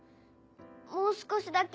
もう少しだけ。